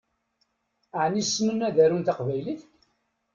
Ɛni ssnen ad arun taqbaylit?